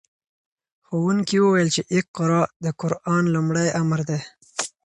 ښوونکي وویل چې اقرأ د قرآن لومړی امر دی.